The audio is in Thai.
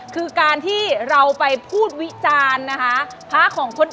คือการที่เราไปพูดวิจารณ์พระเครื่องของคน